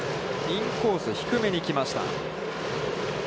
インコース低めに来ました。